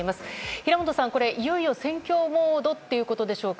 平本さん、これ、いよいよ選挙モードということでしょうか。